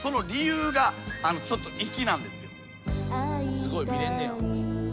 すごい。見れんねや。